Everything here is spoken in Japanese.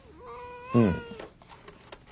うん。